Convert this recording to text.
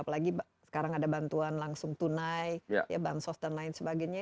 apalagi sekarang ada bantuan langsung tunai bansos dan lain sebagainya